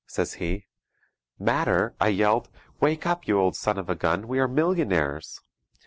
says he. "Matter," I yelled. "Wake up, you old son of a gun; we are millionaires!"